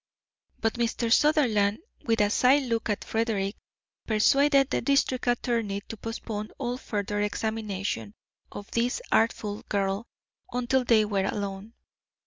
But Mr. Sutherland, with a side look at Frederick, persuaded the district attorney to postpone all further examination of this artful girl until they were alone.